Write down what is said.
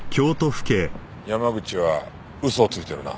山口は嘘をついているな。